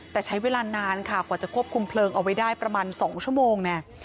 แต่ใช้เวลานานค่ะกว่าจะควบคุมเพลิงเอาไว้ได้ประมาณ๒ชั่วโมงเนี่ย